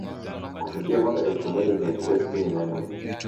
Kufikia mwaka elfu moja mia tisa sitini na nne